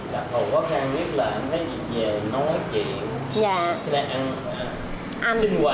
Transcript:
đặc hầu khó khăn nhất là nó về nói chuyện